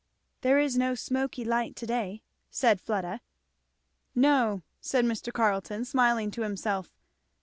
"There is no 'smoky light' to day," said Fleda. "No," said Mr. Carleton, smiling to himself.